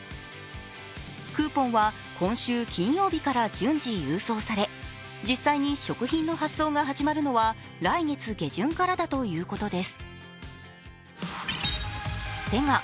クーポンは今週金曜日から順次郵送され実際に食品の発送が始まるのは来月下旬からだということです。